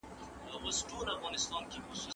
هغه څوک چي تمرين کوي قوي وي؟